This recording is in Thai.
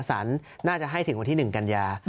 สารน่าจะให้ถึงวันที่๑กันยา